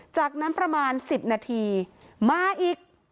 จากนั้นประมาณ๑๐นาทีมาอีก